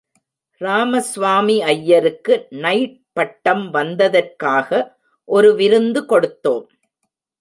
ராமஸ்வாமி ஐயருக்கு நைட் பட்டம் வந்ததற்காக, ஒரு விருந்து கொடுத்தோம்.